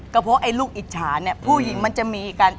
ก็เพราะไอ้ลูกอิจฉาเนี่ยผู้หญิงมันจะมีกัน